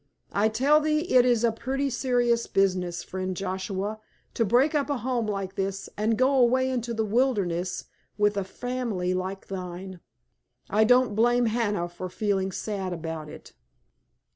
"I tell thee it is a pretty serious business, friend Joshua, to break up a home like this and go away into the wilderness with a family like thine. I don't blame Hannah for feeling sad about it."